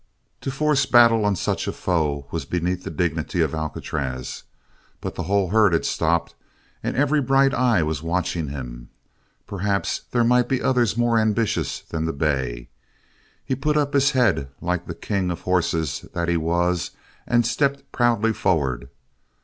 To force battle on such a foe was beneath the dignity of Alcatraz, but the whole herd had stopped, every bright eye watching him; perhaps there might be others more ambitious than the bay. He put up his head like the king of horses that he was and stepped proudly forward.